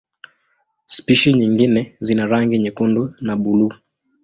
Spishi nyingine zina rangi nyekundu na buluu.